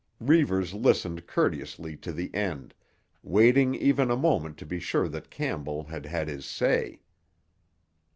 Reivers listened courteously to the end, waiting even a moment to be sure that Campbell had had his say.